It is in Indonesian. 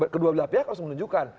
kedua belah pihak harus menunjukkan